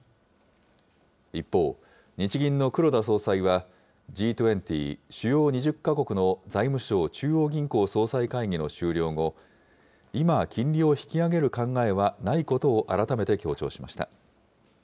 一方、日銀の黒田総裁は、Ｇ２０・主要２０か国の財務相・中央銀行総裁会議の終了後、今、金利を引き上げる考えはないことを改めて強調しました。